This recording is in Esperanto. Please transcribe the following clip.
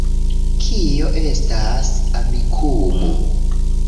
Kio estas Amikumu